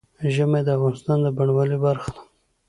ژمی د افغانستان د بڼوالۍ برخه ده.